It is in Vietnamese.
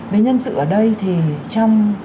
về nhân sự ở đây thì trong